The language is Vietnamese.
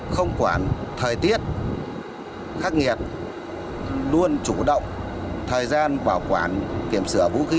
không quản thời tiết khắc nghiệt luôn chủ động thời gian bảo quản kiểm sửa vũ khí